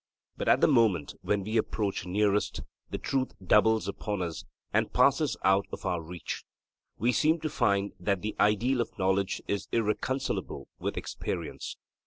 But at the moment when we approach nearest, the truth doubles upon us and passes out of our reach. We seem to find that the ideal of knowledge is irreconcilable with experience.